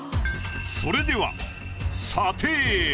それでは査定。